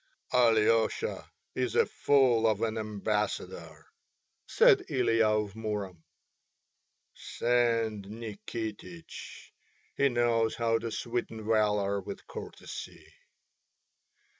"Alyosha is a fool of an ambassador," said Ilya of Murom, "send Nikitich. He knows how to sweeten valour with courtesy."